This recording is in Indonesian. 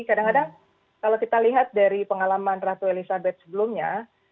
kadang kadang kalau kita lihat dari pengalaman ratu elizabeth sebelumnya